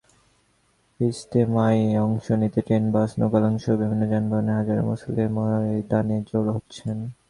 ইজতেমায় অংশ নিতে ট্রেন, বাস, নৌকা-লঞ্চসহ বিভিন্ন যানবাহনে হাজারো মুসল্লি ময়দানে জড়ো হচ্ছেন।